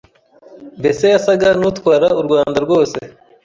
mbese yasaga n'utwara u Rwanda rwose,